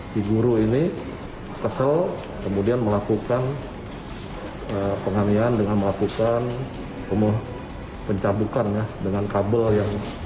si guru ini kesel kemudian melakukan penganiayaan dengan melakukan umum pencabukan dengan kabel yang